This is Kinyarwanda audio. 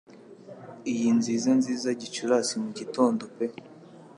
Iyi nziza nziza Gicurasi-mugitondo pe